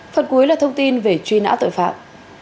phần cuối là thông tin về truy nã tội phạm